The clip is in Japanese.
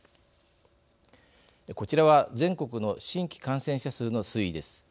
こちらは全国の新規感染者数の推移です。